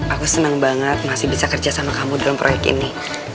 aku senang banget masih bisa kerja sama kamu dalam proyek ini